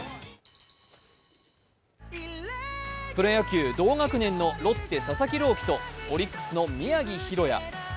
プロ野球同学年のロッテ・佐々木朗希とオリックスの宮城大弥。